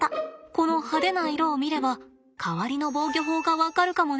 この派手な色を見れば代わりの防御法が分かるかもね。